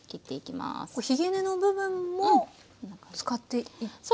ひげ根の部分も使っていけるんですね。